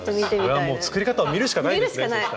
それはもう作り方を見るしかないですね。